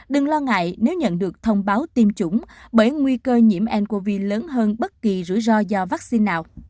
đừng lo ngại nếu nhận được thông báo tiêm chủng bởi nguy cơ nhiễm ncov lớn hơn bất kỳ rủi ro do vaccine nào